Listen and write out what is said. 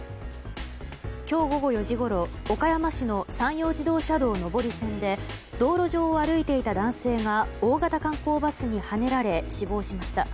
今日午後４時ごろ、岡山市の山陽自動車道上り線で道路上を歩いていた男性が大型観光バスにはねられ死亡しました。